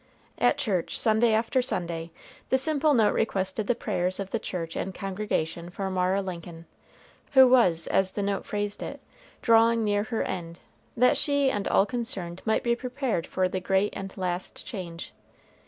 At church, Sunday after Sunday, the simple note requested the prayers of the church and congregation for Mara Lincoln, who was, as the note phrased it, drawing near her end, that she and all concerned might be prepared for the great and last change.